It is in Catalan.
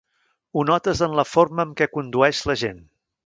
Ho notes en la forma amb què condueix la gent.